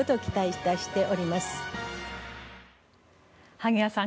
萩谷さん